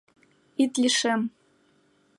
— Ит лишем!